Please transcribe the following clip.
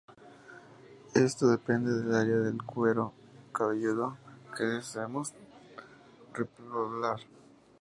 Eso depende del área del cuero cabelludo que deseamos repoblar.